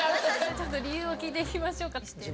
ちょっと理由を聞いて行きましょうか？